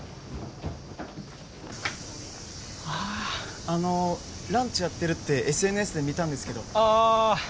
あああのランチやってるってＳＮＳで見たんですけどああああはいやってます